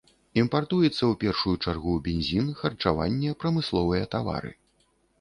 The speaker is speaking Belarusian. Імпартуецца ў першую чаргу, бензін, харчаванне, прамысловыя тавары.